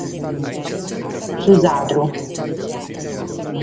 Su sardu.